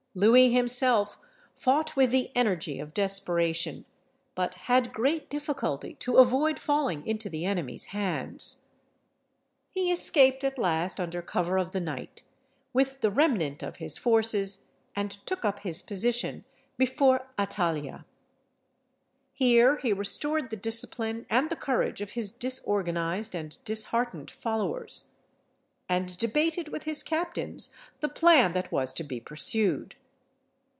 Louis himself fought with the energy of desperation, but had great difficulty to avoid falling into the enemy's hands. He escaped at last under cover of the night, with the remnant of his forces, and took up his position before Attalia. Here he restored the discipline and the courage of his disorganised and disheartened followers, and debated with his captains the plan that was to be pursued.